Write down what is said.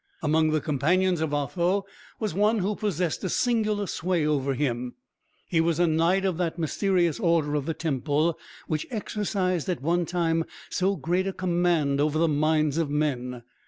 Among the companions of Otho was one who possessed a singular sway over him. He was a knight of that mysterious order of the Temple, which exercised at one time so great a command over the minds of men.